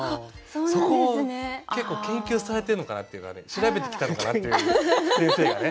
そこを結構研究されてるのかなっていうのはね調べてきたのかなっていう先生がね。